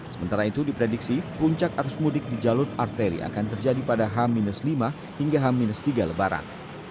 sementara itu diprediksi puncak arus mudik di jalur arteri akan terjadi pada h lima hingga h tiga lebaran